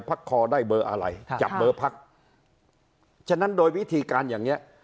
พักคอได้เบอร์อะไรจับเบอร์พักฉะนั้นโดยวิธีการอย่างเนี้ย